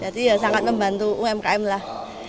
jadi ya sangat membantu umkm lah